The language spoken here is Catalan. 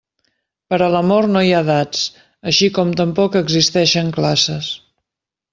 Per a l'amor no hi ha edats, així com tampoc existeixen classes.